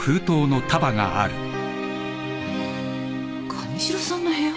神代さんの部屋？